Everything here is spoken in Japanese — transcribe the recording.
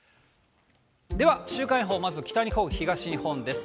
では、週間予報、北日本、東日本です。